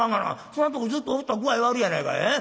そんなとこにずっとおったら具合悪いやないかい。